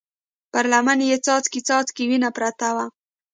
پر لمن يې څاڅکي څاڅکې وينه پرته وه.